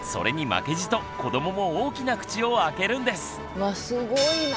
うわすごいな。